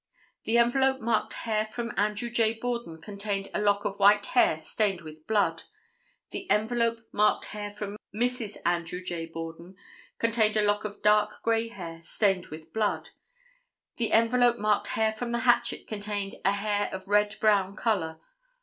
The envelope marked hair from Andrew J. Borden, contained a lock of white hair stained with blood. The envelope marked hair from Mrs. Andrew J. Borden, contained a lock of dark gray hair, stained with blood. The envelope marked hair from the hatchet, contained a hair of red brown color.